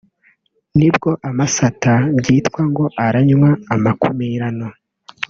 nibwo amasata byitwa ngo “aranywa amakumirano “